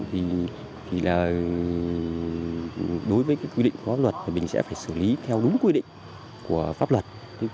thì đối với quy định khắp luật mình sẽ phải xử lý theo đúng quy định của pháp luật